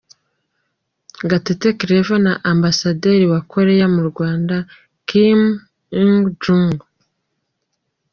Gatete Claver na Ambasaderi wa Koreya mu Rwanda, Kim Eung Joong.